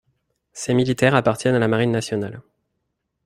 Ces militaires appartiennent à la marine nationale.